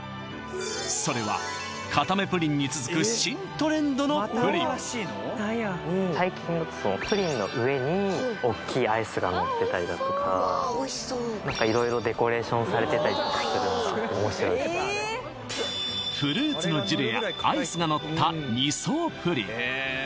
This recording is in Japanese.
それはのプリン最近だとプリンの上におっきいアイスがのってたりだとかうわおいしそう何か色々デコレーションされてたりとかするのが面白いところでフルーツのジュレやアイスがのった２層プリン